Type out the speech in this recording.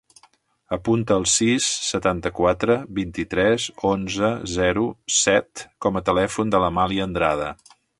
Apunta el sis, setanta-quatre, vint-i-tres, onze, zero, set com a telèfon de l'Amàlia Andrada.